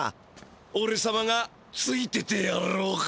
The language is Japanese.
おれさまがついててやろうか？